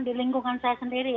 di lingkungan saya sendiri